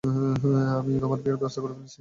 আমি তোমার বিয়ের ব্যবস্থা করে ফেলেছি।